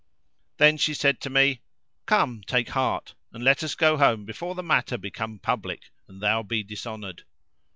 Then she said to me, "Come, take heart and let us go home before the matter become public and thou be dishonoured.